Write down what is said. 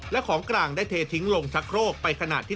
และของกลางได้เททิ้งลงชักโครกไปขณะที่